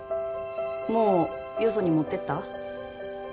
もうよそに持ってった？